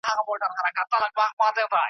توري د پنځو زرو کلونو زنګ وهلي دي .